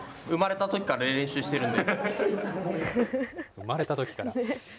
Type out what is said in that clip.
生まれたときから。